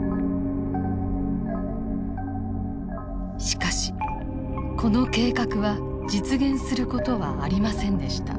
しかしこの計画は実現する事はありませんでした。